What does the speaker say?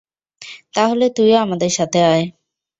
তাহলে তুইও আমাদের সাথে আয়।